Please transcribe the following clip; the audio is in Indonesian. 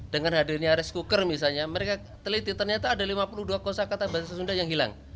dengan hadirnya rice cooker misalnya mereka teliti ternyata ada lima puluh dua kosa kata bahasa sunda yang hilang